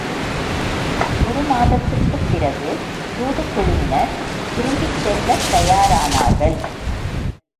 ஒரு மாதத்துக்குப் பிறகு தூதுக் குழுவினர் திரும்பிச் செல்லத் தயாரானார்கள்.